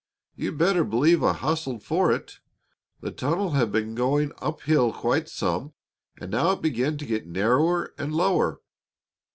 You'd better believe I hustled for it. The tunnel had been going up hill quite some, and now it began to get narrower and lower.